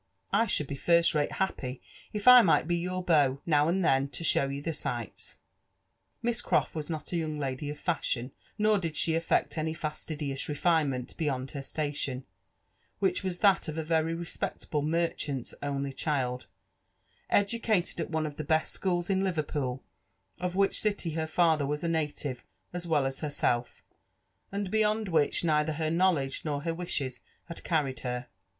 I should be Qrsl rate happy if I might be your beau, now and ihen, to show you the sights." Miss Croft was not a young lady of fashion, nor did she affect any fastidious refinement beyond her station, which was that of a very respectable merchant's only child, educated at one of the best schools in Liverpool, of which city her father was a native as well astierself, and beyond which neither her knowledge nor her wishes had carried her.